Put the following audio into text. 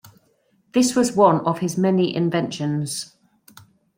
This was one of his many inventions.